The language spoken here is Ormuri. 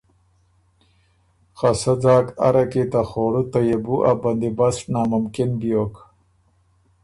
خه سۀ ځاک اره کی ته خوړُو ته يېبُو ا بندیبست ناممکِن بیوک۔